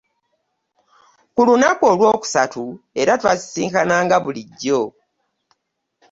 Ku lunaku olwokusatu, era twasisinkana nga bulijjo.